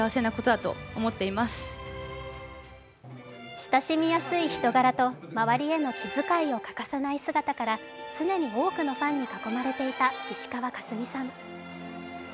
親しみやすい人柄と周りへの気遣いを欠かさない姿から常に多くのファンに囲まれていた石川佳純さん。